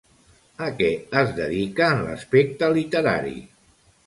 A què es dedica en l'aspecte literari?